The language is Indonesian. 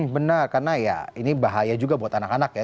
benar karena ya ini bahaya juga buat anak anak ya